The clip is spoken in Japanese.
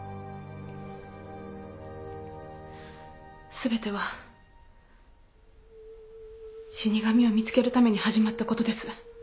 全ては死神を見つけるために始まったことです。